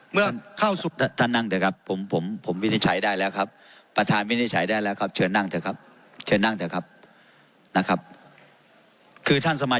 เมื่อเข้าสู่